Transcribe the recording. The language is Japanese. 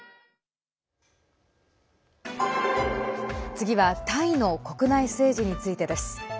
次はタイの国内政治についてです。